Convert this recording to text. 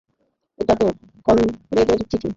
এটা তো কনরেডের চিঠি!